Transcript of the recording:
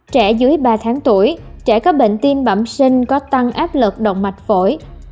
trẻ dưới ba tháng bệnh tiêm bẩm sinh có tăng áp lực động mạch phổi